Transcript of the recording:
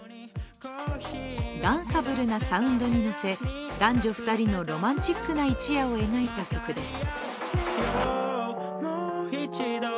ダンサブルなサウンドに乗せ男女２人のロマンチックな一夜を描いた曲です。